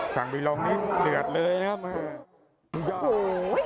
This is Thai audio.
สั่งไปลองนี้เดือดเลยนะครับ